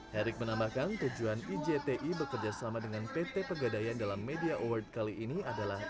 herik menambahkan tujuan ijti bekerjasama dengan pt pegadaian dalam media award kali ini adalah